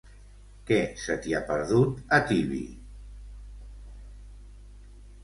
Què se t'hi ha perdut, a Tibi?